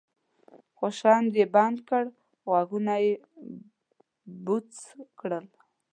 شخوند یې بند کړ غوږونه یې بوڅ کړل.